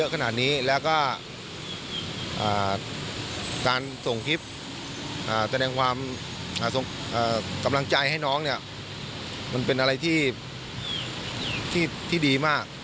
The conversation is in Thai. การส่งคลิปแสดงความกำลังใจให้น้องเนี่ยมันเป็นอะไรที่ดีมาก